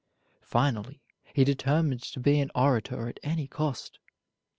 Finally, he determined to be an orator at any cost.